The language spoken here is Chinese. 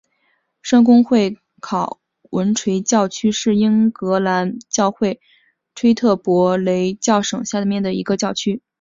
圣公会考文垂教区是英格兰教会坎特伯雷教省下面的一个教区。